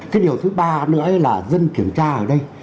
cái điều thứ ba nữa là dân kiểm tra ở đây